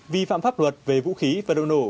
vi phạm pháp luật về vũ khí và đồng nổ